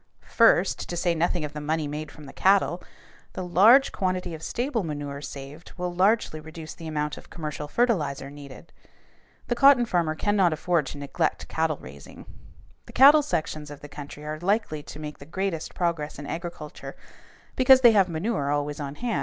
First, to say nothing of the money made from the cattle, the large quantity of stable manure saved will largely reduce the amount of commercial fertilizer needed. The cotton farmer cannot afford to neglect cattle raising. The cattle sections of the country are likely to make the greatest progress in agriculture, because they have manure always on hand.